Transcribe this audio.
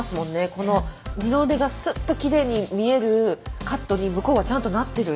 この二の腕がスッときれいに見えるカットに向こうはちゃんとなってる。